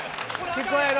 聞こえる。